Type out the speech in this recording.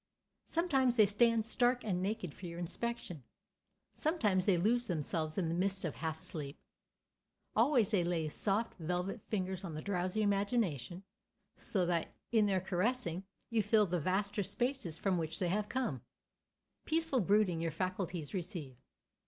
Sometimes they stand stark and naked for your inspection; sometimes they lose themselves in the mist of half sleep. Always they lay soft velvet fingers on the drowsy imagination, so that in their caressing you feel the vaster spaces from which they have come. Peaceful brooding your faculties receive.